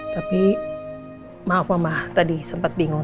tapi maaf mama tadi sempat bingung